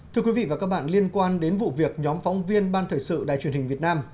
thưa quý vị và các bạn liên quan đến vụ việc nhóm phóng viên ban thời sự đài truyền hình việt nam